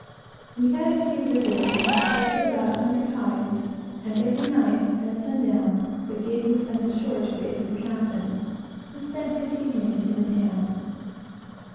We had a few visitors, and collected about a hundred hides, and every night, at sundown, the gig was sent ashore, to wait for the captain, who spent his evenings in the town.